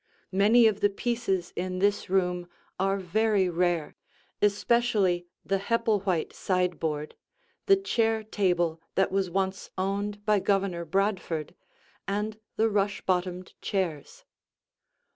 Many of the pieces in this room are very rare, especially the Hepplewhite sideboard, the chair table that was once owned by Governor Bradford, and the rush bottomed chairs.